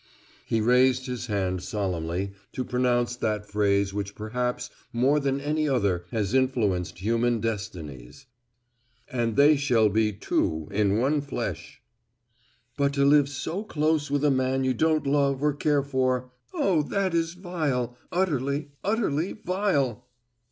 He raised his hand solemnly, to pronounce that phrase which perhaps more than any other has influenced human destinies, "And they shall be two in one flesh." "But to live so close with a man you don't love or care for, oh, that is vile, utterly, utterly vile."